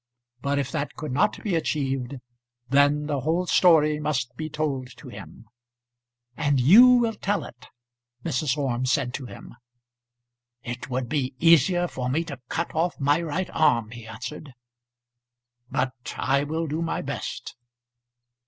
But if that could not be achieved, then the whole story must be told to him. "And you will tell it," Mrs. Orme said to him. "It would be easier for me to cut off my right arm," he answered; "but I will do my best."